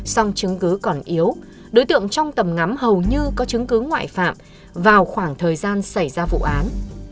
song chứng cứ còn yếu đối tượng trong tầm ngắm hầu như có chứng cứ ngoại phạm vào khoảng thời gian xảy ra vụ án